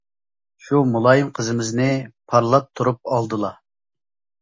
شۇ مۇلايىم قىزىمىزنى، پارلاپ تۇرۇپ ئالدىلا.